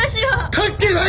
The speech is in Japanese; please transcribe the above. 関係ない！